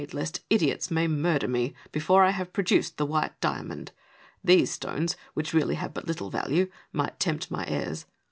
823 lest idiots may murder me before I have produced the white diamond. These stones, which really have but little value, might tempt my heirs.